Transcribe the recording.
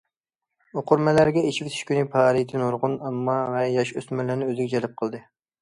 ئوقۇرمەنلەرگە ئېچىۋېتىش كۈنى پائالىيىتى نۇرغۇن ئامما ۋە ياش- ئۆسمۈرلەرنى ئۆزىگە جەلپ قىلدى.